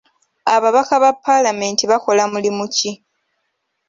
Ababaka ba paalamenti bakola mulimu ki?